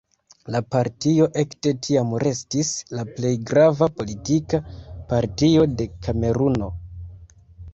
La partio ekde tiam restis la plej grava politika partio de Kameruno.